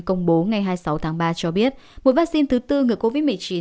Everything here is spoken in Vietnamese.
công bố ngày hai mươi sáu tháng ba cho biết một vaccine thứ tư người covid một mươi chín